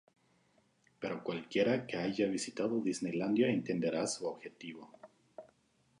Pero cualquiera que haya visitado Disneylandia entenderá su objetivo".